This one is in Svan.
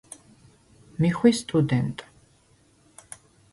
მი ხვი სტუდენტ.